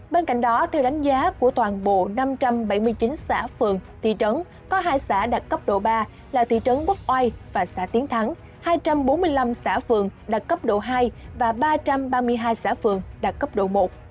bên cạnh đó theo đánh giá của toàn bộ năm trăm bảy mươi chín xã phường thị trấn có hai xã đạt cấp độ ba là thị trấn bốc oai và xã tiến thắng hai trăm bốn mươi năm xã phường đạt cấp độ hai và ba trăm ba mươi hai xã phường đạt cấp độ một